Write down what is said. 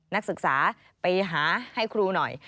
นักศึกษาไปหาให้ครูหน่อย